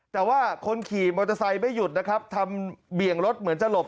แต่ว่าคนขี่มอเตอร์ไซค์ไม่หยุดนะครับทำเบี่ยงรถเหมือนจะหลบ